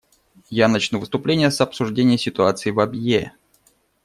Я начну выступление с обсуждения ситуации в Абьее.